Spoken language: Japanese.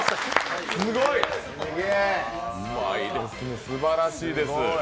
すばらしいです。